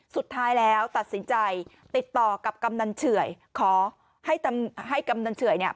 สุดท้ายแล้วตัดสินใจติดต่อกับกำนันเฉื่อยขอให้กำนันเฉื่อยเนี่ย